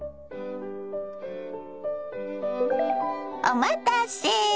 お待たせ。